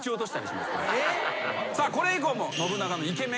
これ以降も。